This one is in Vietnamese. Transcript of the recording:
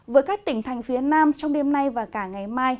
với các tỉnh thành phía nam trong đêm nay và cả ngày mai